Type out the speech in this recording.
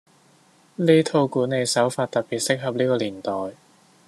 呢套管理手法特別適合呢個年代